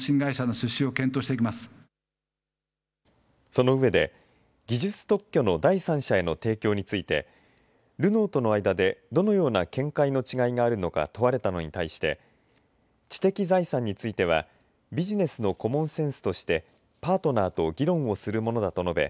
その上で技術特許の第三者への提供についてルノーとの間で、どのような見解の違いがあるのか問われたのに対して知的財産についてはビジネスのコモンセンスとしてパートナーと議論をするものだと述べ